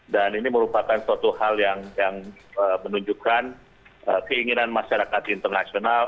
dan ini merupakan suatu hal yang menunjukkan keinginan masyarakat internasional